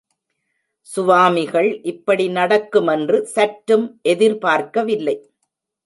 சுவாமிகள் இப்படி நடக்குமென்று சற்றும் எதிர்பார்க்க வில்லை.